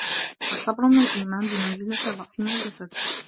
الصَّبْرُ مِنْ الْإِيمَانِ بِمَنْزِلَةِ الرَّأْسِ مِنْ الْجَسَدِ